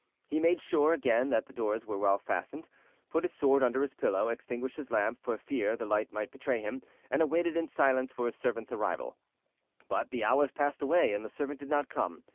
He made sure again that the doors were well fastened, put his sword under his pillow, extinguished his lamp for fear the light might betray him, and awaited in silence for his servant's arrival; but the hours passed away, and the servant did not come.